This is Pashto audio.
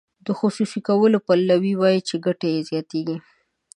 د خصوصي کولو پلوي وایي چې ګټه یې زیاتیږي.